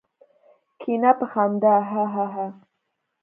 کېنه! په خندا هههه.